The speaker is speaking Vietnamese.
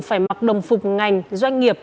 phải mặc đồng phục ngành doanh nghiệp